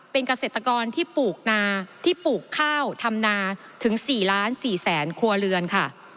เป็นเกษตรกรที่ปลูกข้าวธำนาถึง๔๔๐๐๐๐๐ครัวเรือนค่ะ